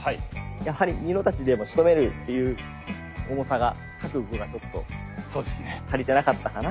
やはり２の太刀でしとめるという重さが覚悟がちょっと足りてなかったかな。